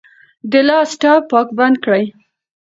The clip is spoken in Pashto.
د لاس ټپ پاک بند کړئ.